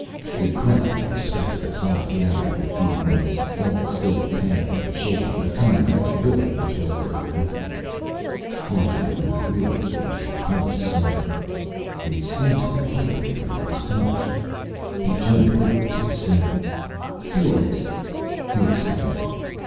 A crowd of respectable size gathered in a few moments, all still pale and shaken, but coming back to the building which was their refuge. Arthur leaned wearily against the cold stone. It seemed to vibrate under his touch. He turned quickly to Estelle. "Feel this," he exclaimed.